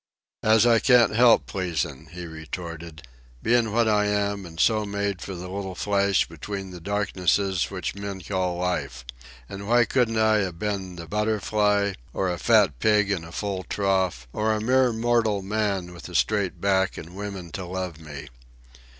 "As I can't help pleasin'," he retorted, "bein' what I am an' so made for the little flash between the darknesses which men call life. Now why couldn't I a ben a butterfly, or a fat pig in a full trough, or a mere mortal man with a straight back an' women to love me?